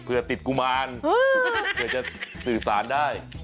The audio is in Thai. เพื่อติดกุมารเผื่อจะสื่อสารได้